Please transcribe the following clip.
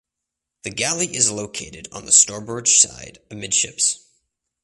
The galley is located on the starboard side amidships.